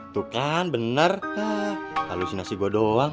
tuh kan bener halusinasi gue doang